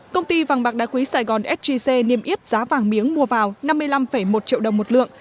công ty vàng bạc đá quý sài gòn sgc niêm yết giá vàng miếng mua vào năm mươi năm một triệu đồng một lượng